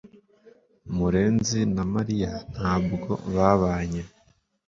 murenzi na Mariya ntabwo babanye